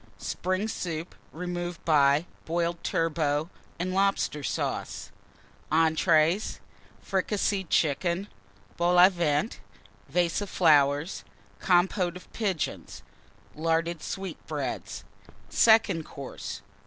Spring Soup, removed by Boiled Turbot and Lobster Sauce. Entrées Fricasseed Chicken. Vol au Vent. Vase of Compôte of Pigeons. Flowers. Larded Sweetbreads. _Second Course.